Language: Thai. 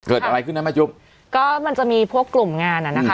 เกิดอะไรขึ้นนะแม่จุ๊บก็มันจะมีพวกกลุ่มงานอ่ะนะคะ